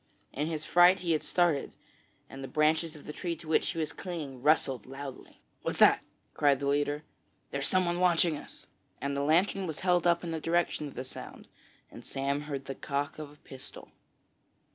In his fright he had started, and the branches of the tree to which he was clinging rustled loudly. 'What's that?' cried the leader. 'There's someone watching us,' and the lantern was held up in the direction of the sound and Sam heard the cock of a pistol.